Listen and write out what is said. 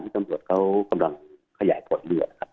ที่ตำรวจเขากำลังขยายปลดเหลือครับ